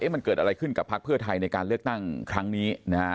มันเกิดอะไรขึ้นกับพักเพื่อไทยในการเลือกตั้งครั้งนี้นะฮะ